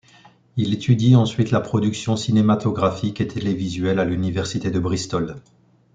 Il étudie ensuite la production cinématographique et télévisuelle à l'université de Bristol.